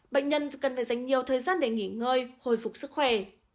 bệnh nhân cần phải dành nhiều thời gian để nghỉ ngơi hồi phục sức khỏe